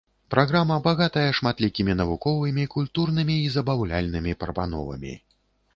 Праграма багатая шматлікімі навуковымі, культурнымі і забаўляльнымі прапановамі.